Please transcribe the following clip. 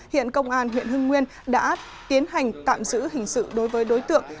hiện công an huyện hưng nguyên đã tiến hành tạm giữ hình sự đối với đối tượng